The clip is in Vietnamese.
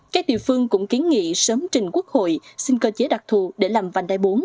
các địa phương cũng kiến nghị sớm trình quốc hội xin cơ chế đặc thù để làm vành đai bốn